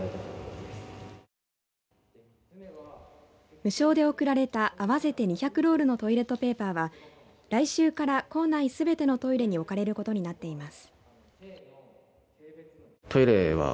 無償で贈られた合わせて２００ロールのトイレットペーパーは来週から校内すべてのトイレに置かれることになっています。